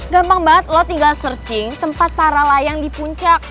gampang banget lo tinggal searching tempat para layang di puncak